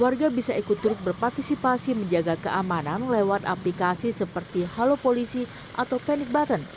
warga bisa ikut turut berpartisipasi menjaga keamanan lewat aplikasi seperti halo polisi atau panic button